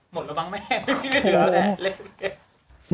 หมดระวังแม่ที่เดี๋ยวแหละ